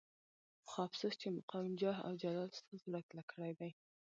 خو افسوس چې مقام جاه او جلال ستا زړه کلک کړی دی.